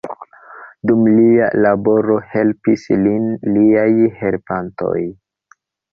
Dum lia laboro helpis lin liaj helpantoj.